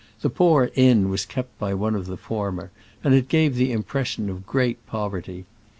The poor inn was kept by one of the former, and it gave the impression of great poverty.